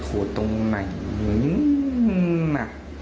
ขูดตรงไหน